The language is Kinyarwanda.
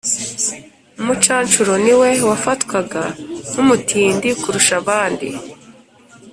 umucanshuro niwe wafatwaga nk' umutindi kurusha abandi